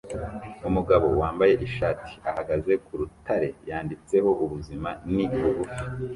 Umugabo wambaye ishati ahagaze ku rutare yanditseho "ubuzima ni bugufi"